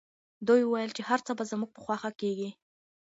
دوی وویل چي هر څه به زموږ په خوښه کیږي.